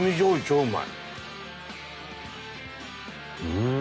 うん！